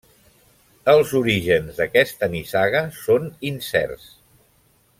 Els orígens d'aquesta nissaga són incerts.